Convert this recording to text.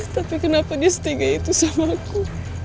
tapi kenapa dia setinggi itu sama aku